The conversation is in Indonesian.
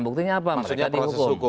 buktinya apa mereka dihukum